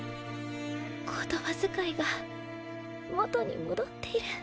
言葉遣いが元に戻っている。